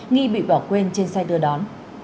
nghi bị bỏ quên trên xe đưa đón